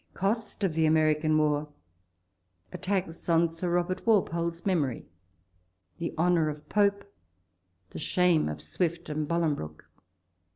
... COST OF THE AMERICAN WAR— ATTACKS ON SIR ROBERT WALPOLE'S MEMORY— THE HONOUR OF PORE—THE SHAME OF SWIFT AND BOLINGBROKE.